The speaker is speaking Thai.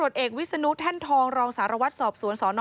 เหรอครับ